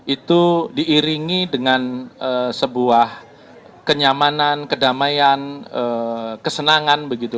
itu diiringi dengan sebuah kenyamanan kedamaian kesenangan begitu